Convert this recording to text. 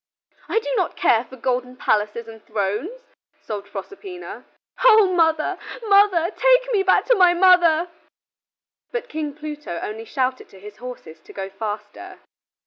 "I do not care for golden palaces and thrones," sobbed Proserpina. "O mother, mother! Take me back to my mother." But King Pluto only shouted to his horses to go faster.